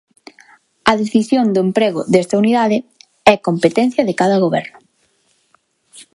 A decisión do emprego desta unidade é competencia de cada Goberno.